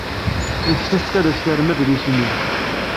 Yessefk ad as-terrem adlis-nni.